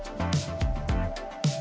sekarang beginnen banking life